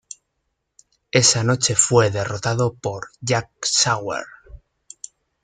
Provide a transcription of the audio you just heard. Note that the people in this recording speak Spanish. Esa noche fue derrotado por Jack Swagger.